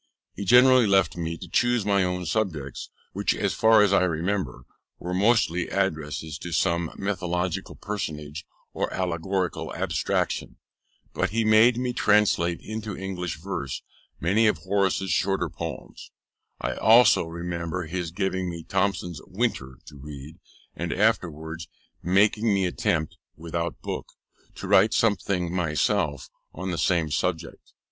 He generally left me to choose my own subjects, which, as far as I remember, were mostly addresses to some mythological personage or allegorical abstraction; but he made me translate into English verse many of Horace's shorter poems: I also remember his giving me Thomson's Winter to read, and afterwards making me attempt (without book) to write something myself on the same subject.